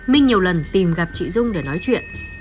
minh nhiều lần tìm gặp chị dung để nói chuyện